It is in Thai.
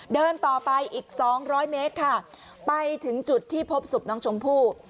เดินต่อไปอีก๒๐๐เมตรค่ะไปถึงจุดที่พบศพน้องชมพู่